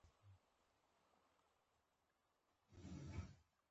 هغه ټوله سلامتيا ده، تر سهار راختلو پوري